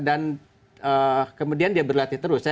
dan kemudian dia berlatih terus